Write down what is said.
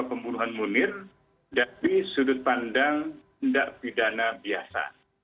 pembunuhan munir dari sudut pandang tidak pidana biasa